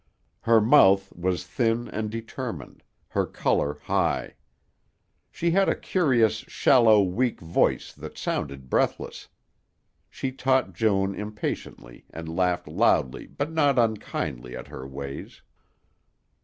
Her mouth was thin and determined, her color high. She had a curiously shallow, weak voice that sounded breathless. She taught Joan impatiently and laughed loudly but not unkindly at her ways.